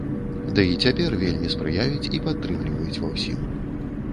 Ды і цяпер вельмі спрыяюць і падтрымліваюць ва ўсім.